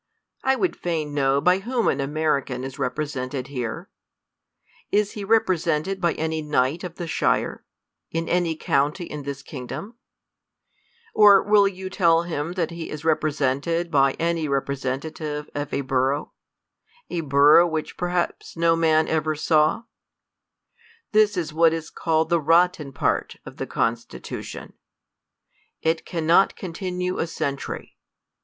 I would fain know by whom an American is represented here ? Is he rep~, resented by any knight of the shire, in any county in this kingdom ? Or v/ill yoa tell him that he is repre sented by any representative of a borough ; a borough, v/hich perhaps no man ever saw ? This is what is called the rotten part of the Constitution. It cannot con tinue a century.